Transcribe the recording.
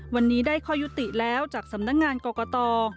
วันนี้ได้ข้อยุติแล้วจากสำนักงานกรกต